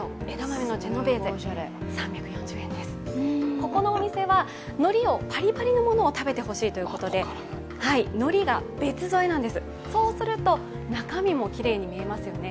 ここのお店はのりをパリパリのものを食べてほしいということでのりが別添えなんです、そうすると、中身もきれいに見えますよね。